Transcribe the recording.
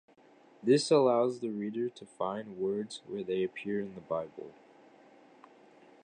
This allows the reader to find words where they appear in the Bible.